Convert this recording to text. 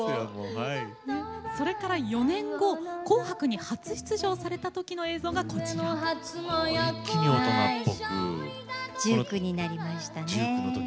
それから４年後「紅白」に初出場されたときの映像が１９になりましたね。